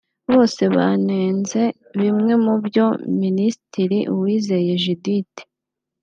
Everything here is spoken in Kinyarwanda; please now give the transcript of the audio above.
bose banenze bimwe mu byo Minisitiri Uwizeye Judith